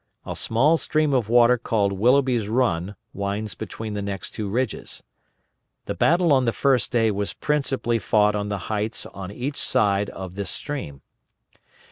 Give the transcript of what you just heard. A small stream of water called Willoughby's Run winds between the next two ridges. The battle on the first day was principally fought on the heights on each side of this stream.